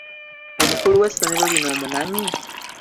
Omukulu w'essomero lino omumanyi?